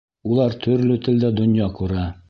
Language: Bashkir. Улар төрлө телдә донъя күрә.